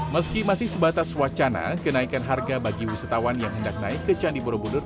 meski masih sebatas wacana kenaikan harga bagi wisatawan yang hendak naik ke candi borobudur